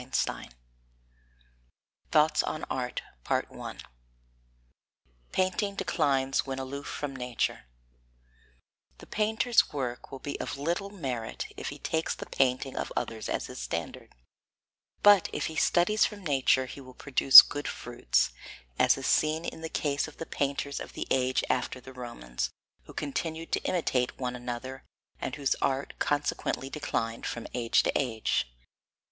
II THOUGHTS ON ART [Sidenote: Painting declines when aloof from Nature] The painter's work will be of little merit if he takes the painting of others as his standard, but if he studies from nature he will produce good fruits; as is seen in the case of the painters of the age after the Romans, who continued to imitate one another and whose art consequently declined from age to age.